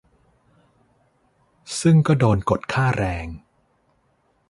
ซึ่งก็โดนกดค่าแรง